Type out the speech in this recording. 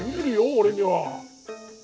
俺には。